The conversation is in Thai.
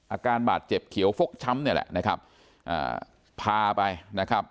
อาการบาดเจ็บเขียวฟกช้ำเนี่ยแหละนะครับอ่าพาไปนะครับ